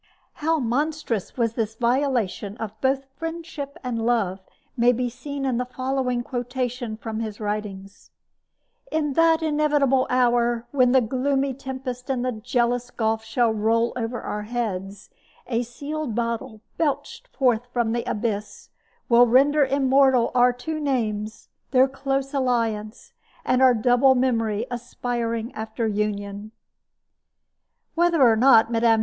How monstrous was this violation of both friendship and love may be seen in the following quotation from his writings: In that inevitable hour, when the gloomy tempest and the jealous gulf shall roll over our heads, a sealed bottle, belched forth from the abyss, will render immortal our two names, their close alliance, and our double memory aspiring after union. Whether or not Mme.